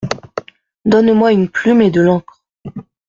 Donne-moi une plume et de l’encre.